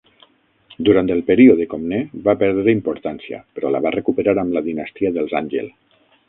Durant el període Comnè, va perdre importància, però la va recuperar amb la dinastia dels Àngel.